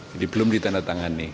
jadi belum ditandatangani